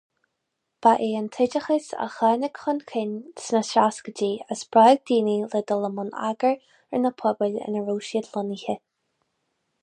Ba é an t-oideachas a tháinig chun cinn sna seascaidí a spreag daoine le dul i mbun eagair ar na pobail ina raibh siad lonnaithe.